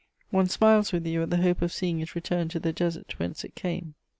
One smiles with you at the hope of seeing it return to the desert whence it came.